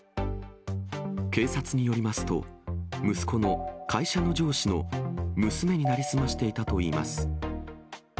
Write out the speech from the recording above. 警察によりますと、息子の会社の上司の娘に成り済ましていたといいます。